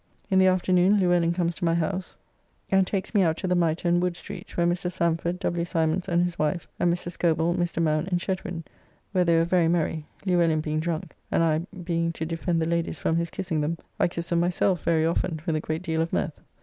In the afternoon Luellin comes to my house, and takes me out to the Mitre in Wood Street, where Mr. Samford, W. Symons and his wife, and Mr. Scobell, Mr. Mount and Chetwind, where they were very merry, Luellin being drunk, and I being to defend the ladies from his kissing them, I kissed them myself very often with a great deal of mirth.